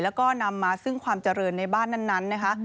แล้วก็นำมาซึ่งความเจริญในบ้านนั้นนะคะ